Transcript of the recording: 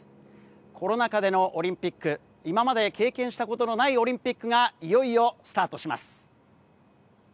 コロナ禍でのオリンピック、今まで経験したことのないオリンピックがいよいよスタートします。